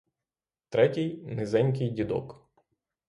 Третій — низенький дідок.